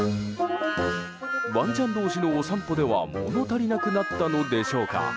ワンちゃん同士のお散歩では物足りなくなったのでしょうか。